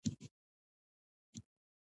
راځئ توري او جملې په سم ډول ولیکو